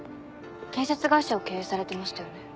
建設会社を経営されてましたよね？